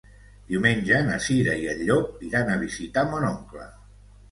Diumenge na Cira i en Llop iran a visitar mon oncle.